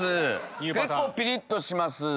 結構ピリっとします。